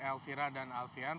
alfira dan alfian